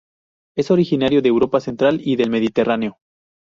Es originario de Europa central y del Mediterráneo.